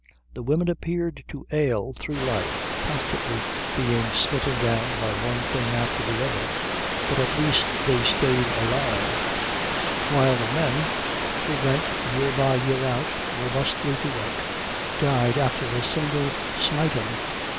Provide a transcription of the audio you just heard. The women appeared to ail through life, constantly being smitten down by one thing after the other, but at least they stayed alive; while the men, who went year by year out robustly to work, died after a single smiting.